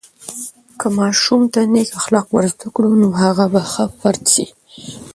که ماشوم ته نیک اخلاق ورزده کړو، نو هغه به ښه فرد سي.